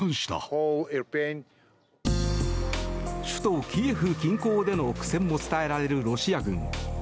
首都キエフ近郊での苦戦も伝えられるロシア軍。